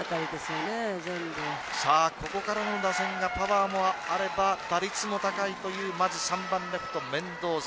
ここからの打線がパワーもあれば打率も高いというまず３番レフト、メンドーザ。